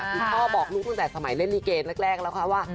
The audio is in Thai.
คือพ่อบอกลูกตั้งแต่สมัยเล่นลิเกแรกแล้วค่ะว่า